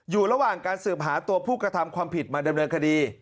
อยู่ระหว่างการสืบหาตัวผู้กระทำความผิดมาดำเนินคดี